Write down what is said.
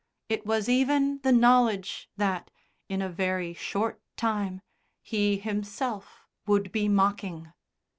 It was even the knowledge that, in a very short time, he himself would be mocking.